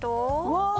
わあ。